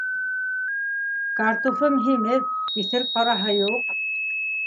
- Картуфым һимеҙ, киҫер ҡараһы юҡ.